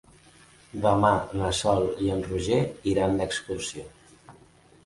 Demà na Sol i en Roger iran d'excursió.